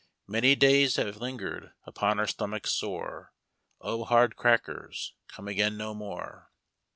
Many days have you Hngered upon our stomachs sore, O hard crackers, come again no more!"